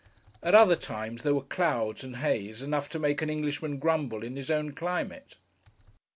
At other times, there were clouds and haze enough to make an Englishman grumble in his own climate.